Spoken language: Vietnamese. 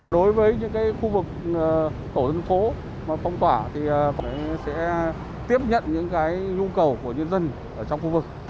đối với những khu vực tổ dân phố phong tỏa thì sẽ tiếp nhận những nhu cầu của nhân dân trong khu vực